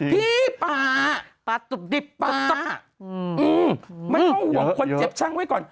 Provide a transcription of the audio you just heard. ป่าปลาตุบดิบปลาตะมันต้องห่วงคนเจ็บช่างไว้ก่อน